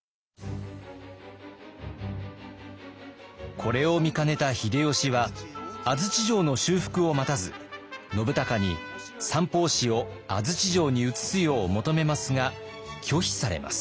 これを見かねた秀吉は安土城の修復を待たず信孝に三法師を安土城に移すよう求めますが拒否されます。